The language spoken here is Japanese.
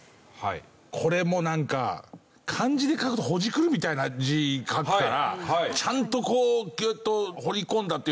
これもなんか漢字で書くと「穿る」みたいな字書くからちゃんとこうぎゅっと掘り込んだっていうのかな。